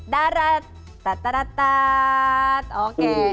darat tatarata oke